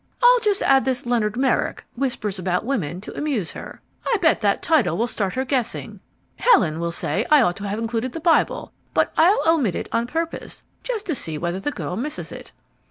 "I'll just add this Leonard Merrick, Whispers about Women, to amuse her. I bet that title will start her guessing. Helen will say I ought to have included the Bible, but I'll omit it on purpose, just to see whether the girl misses it."